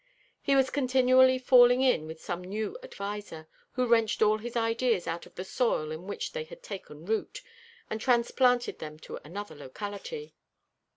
He was continually falling in with some new adviser, who wrenched all his ideas out of the soil in which they had taken root, and transplanted them to another locality.